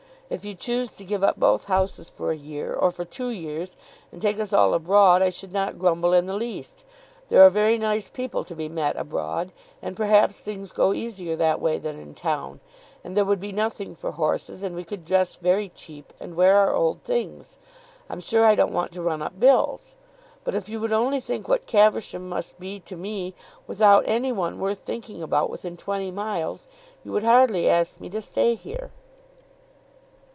If you choose to give up both houses for a year, or for two years, and take us all abroad, I should not grumble in the least. There are very nice people to be met abroad, and perhaps things go easier that way than in town. And there would be nothing for horses, and we could dress very cheap and wear our old things. I'm sure I don't want to run up bills. But if you would only think what Caversham must be to me, without any one worth thinking about within twenty miles, you would hardly ask me to stay here.